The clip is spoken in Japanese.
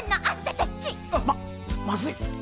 ままずい。